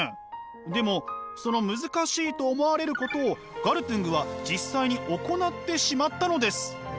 でもその難しいと思われることをガルトゥングは実際に行ってしまったのです！